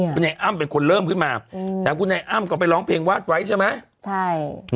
คุณไอ้อ้ำเป็นคนเริ่มขึ้นมาแต่คุณไอ้อ้ำก็ไปร้องเพลงวาดไว้ใช่ไหมใช่